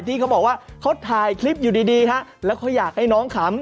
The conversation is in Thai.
ที่เขาบอกว่าเขาถ่ายคลิปอยู่ดีฮะแล้วเขาอยากให้น้องขำ